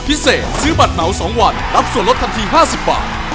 ซื้อบัตรเหมา๒วันรับส่วนลดทันที๕๐บาท